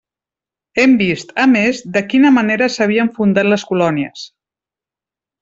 Hem vist, a més, de quina manera s'havien fundat les colònies.